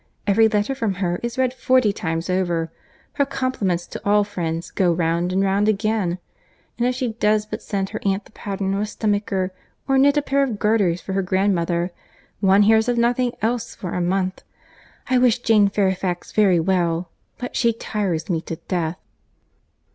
Every letter from her is read forty times over; her compliments to all friends go round and round again; and if she does but send her aunt the pattern of a stomacher, or knit a pair of garters for her grandmother, one hears of nothing else for a month. I wish Jane Fairfax very well; but she tires me to death."